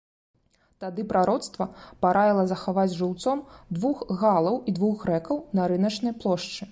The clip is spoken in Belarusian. Тады прароцтва параіла захаваць жыўцом двух галаў і двух грэкаў на рыначнай плошчы.